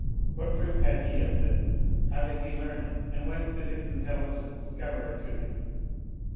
What proof had he of this ? How did he learn it and whence did his intelligence discover it to him?